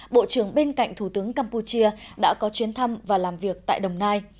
bộ trưởng bên cạnh thủ tướng campuchia đã có chuyến thăm và làm việc tại đồng nai